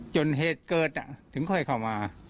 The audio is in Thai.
เหตุเกิดถึงค่อยเข้ามา